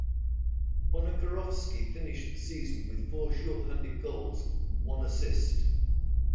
Ponikarovsky finished the season with four shorthanded goals and one assist.